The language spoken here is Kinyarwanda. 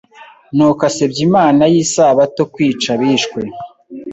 nuko asebya Imana yIsabatokwica abishwe